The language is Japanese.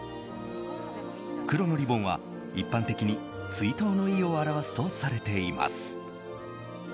黒のリボンは一般的に追悼の意を表すとされています。